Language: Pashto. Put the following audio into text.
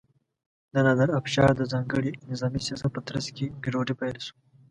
د نادر افشار د ځانګړي نظامي سیاست په ترڅ کې ګډوډي پیل شوه.